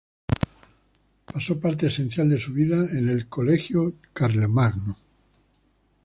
Pasó parte esencial de su vida en el "Colegio Charlemagne".